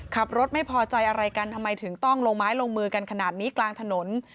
ขับรถไม่พอใจอะไรกันทำไมถึงต้องลงไม้ลงมือกันขนาดนี้กลางถนน